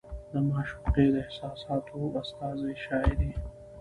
د معشوقې د احساساتو استازې شاعري